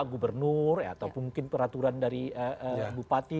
gubernur ataupun mungkin peraturan dari bupati